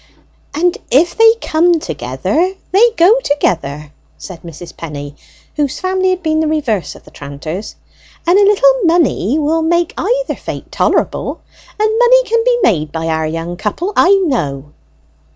"And if they come together, they go together," said Mrs. Penny, whose family had been the reverse of the tranter's; "and a little money will make either fate tolerable. And money can be made by our young couple, I know."